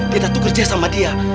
tidak tukerje sama dia